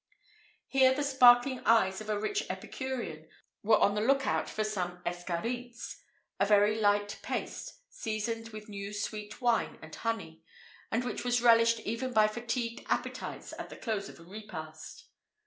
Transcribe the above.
[IV 29] Here the sparkling eyes of a rich epicurean were on the look out for some escarites, a very light paste, seasoned with new sweet wine and honey,[IV 30] and which was relished even by fatigued appetites at the close of a repast.